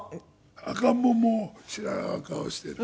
赤ん坊も知らん顔している。